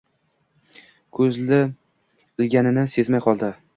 koʼzi ilinganini sezmay qoldi.